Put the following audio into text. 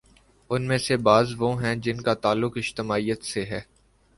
ان میں سے بعض وہ ہیں جن کا تعلق اجتماعیت سے ہے۔